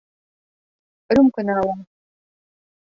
Рюмканы ала.